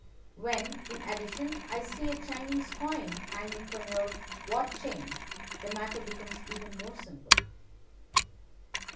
When, in addition, I see a Chinese coin hanging from your watch chain, the matter becomes even more simple."